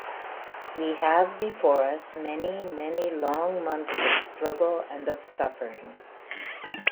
We have before us many, many long months of struggle and of suffering.